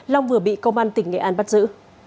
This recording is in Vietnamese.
long vừa bị công an tỉnh nghệ an bắt giữ